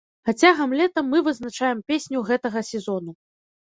А цягам лета мы вызначаем песню гэтага сезону.